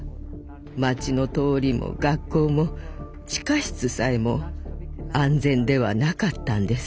街の通りも学校も地下室さえも安全ではなかったんです。